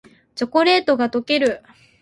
チョコレートがとける